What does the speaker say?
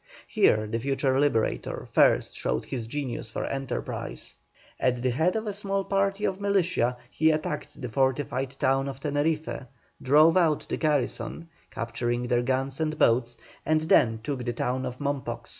Here the future Liberator first showed his genius for enterprise. At the head of a small party of militia, he attacked the fortified town of Teneriffe, drove out the garrison, capturing their guns and boats, and then took the town of Mompox.